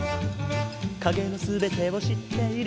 「影の全てを知っている」